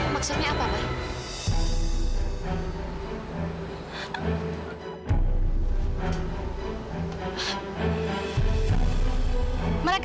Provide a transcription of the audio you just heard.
maksudnya apa pak